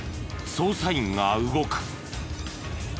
捜査員が動く。